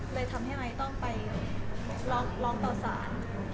เลยทำให้ไม้ต้องไปรองเบาสาร